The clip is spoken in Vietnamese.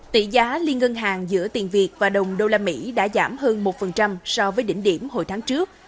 tỷ giá liên ngân hàng giữa tiền việt và đồng usd đã giảm hơn một so với đỉnh điểm hồi tháng trước